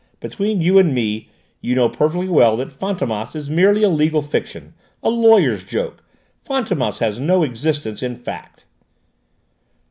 Between you and me, you know perfectly well that Fantômas is merely a legal fiction a lawyers' joke. Fantômas has no existence in fact!"